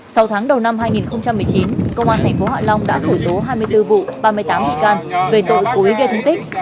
sau tháng đầu năm hai nghìn một mươi chín công an thành phố hạ long đã khủy tố hai mươi bốn vụ ba mươi tám bị can về tội cối gây thương tích